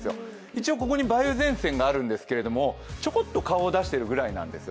一応ここに梅雨前線があるんですけれども、ちょこっと顔を出してるぐらいなんです。